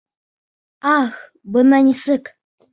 — Ах, бына нисек!